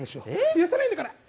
許さないんだから。